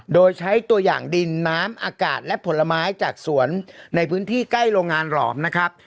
โดยใช้ตัวอย่างดินน้ำอากาศและผลไม้จากสวนในพื้นที่ใกล้โรงงานหลอมนะครับ